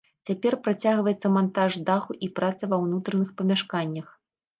Цяпер працягваецца мантаж даху і праца ва ўнутраных памяшканнях.